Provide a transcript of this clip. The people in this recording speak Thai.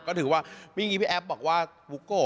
ก็ถือว่าพี่แอฟบอกว่าบุ๊กโก